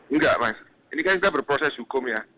enggak mas ini kan kita berproses hukum ya